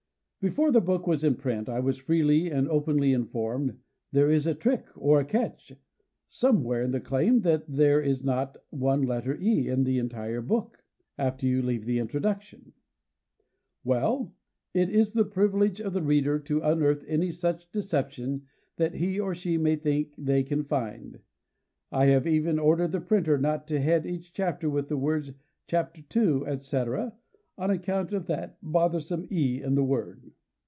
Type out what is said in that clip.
Before the book was in print, I was freely and openly informed "there is a trick, or catch," somewhere in that claim that there is not one letter E in the entire book, after you leave the Introduction. Well; it is the privilege of the reader to unearth any such deception that he or she may think they can find. I have even ordered the printer not to head each chapter with the words "Chapter 2," etc., on account of that bothersome E in that word.